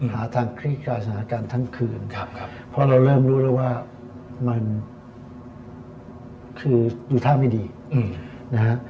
หาทางคลิกการสนาการทั้งคืนพอเราเริ่มรู้แล้วว่ามันคืออยู่ทางไม่ดีนะฮะ